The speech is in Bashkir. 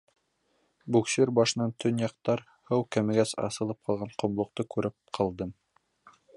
Буксир Башынан төньяҡтараҡ һыу кәмегәс асылып ҡалған ҡомлоҡто күреп ҡалдым.